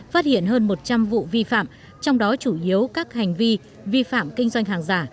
phát hiện hơn một trăm linh vụ vi phạm trong đó chủ yếu các hành vi vi phạm kinh doanh hàng giả